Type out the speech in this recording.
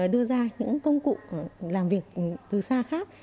đưa ra những công cụ làm việc từ xa khác